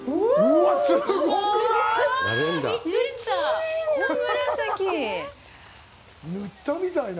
うわあ、すごい！